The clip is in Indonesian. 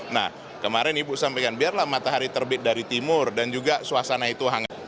nah kemarin ibu sampaikan biarlah matahari terbit dari timur dan juga suasana itu hangat